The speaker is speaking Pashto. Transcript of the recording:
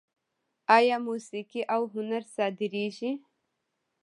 آیا موسیقي او هنر صادریږي؟